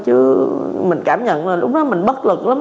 chứ mình cảm nhận là lúc đó mình bất lực lắm